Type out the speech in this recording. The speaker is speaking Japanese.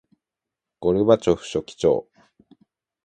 ゴルバチョフ書記長